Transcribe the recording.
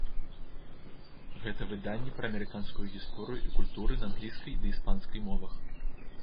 Гэта выданні пра амерыканскую гісторыю і культуры на англійскай ды іспанскай мовах.